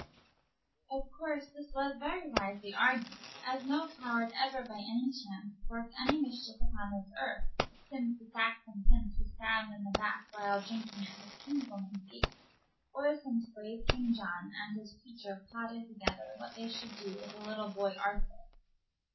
Of course this was very wisely argued, as no coward ever by any chance worked any mischief upon this earth, since the Saxon prince was stabbed in the back while drinking at his kinswoman's gate, or since brave King John and his creature plotted together what they should do with the little boy Arthur.